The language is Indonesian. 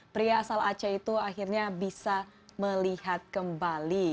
pria asal aceh itu akhirnya bisa melihat kembali